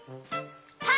はい！